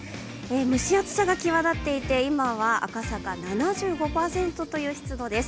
蒸し暑さが際立っていて、今は赤坂７５％という湿度です。